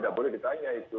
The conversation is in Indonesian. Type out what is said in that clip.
sudah semua didaftar saja